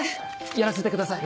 やらせてください。